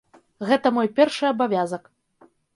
Гэта мой першы абавязак.